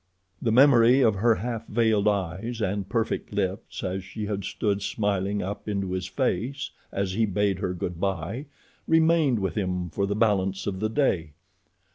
The memory of her half veiled eyes and perfect lips as she had stood smiling up into his face as he bade her good by remained with him for the balance of the day.